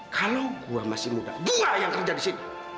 kalau gue masih muda gue yang kerja di sini